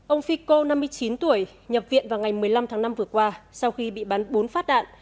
ông fico năm mươi chín tuổi nhập viện vào ngày một mươi năm tháng năm vừa qua sau khi bị bắn bốn phát đạn